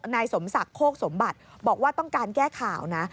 นายสมศักดิ์โคกสมบัติบอกว่าต้องการแก้ข่าวนะ